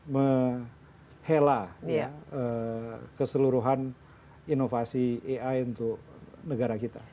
menghela keseluruhan inovasi ai untuk negara kita